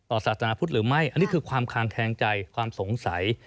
ศาสนาพุทธหรือไม่อันนี้คือความคางแทงใจความสงสัย